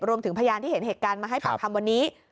พยานที่เห็นเหตุการณ์มาให้ปากคำวันนี้